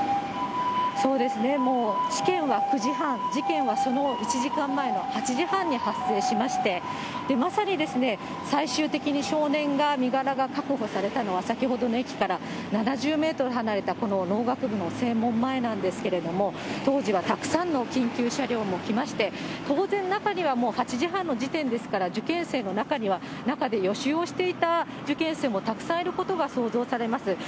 そうですね、試験は９時半、事件はその１時間前の８時半に発生しまして、まさに最終的に少年が身柄が確保されたのは、先ほどの駅から７０メートル離れたこの農学部の正門前なんですけれども、当時はたくさんの緊急車両も来まして、当然、中には８時半の時点ですから、受験生の中には、中で予習をしていた受験生もたくさんいたことが想像されます。